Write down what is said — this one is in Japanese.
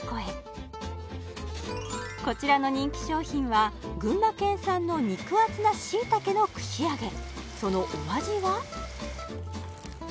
こちらの人気商品は群馬県産の肉厚な椎茸の串揚げそのお味は？